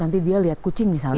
nanti dia lihat kucing misalnya